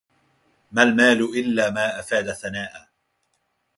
ما المال إلا ما أفاد ثناء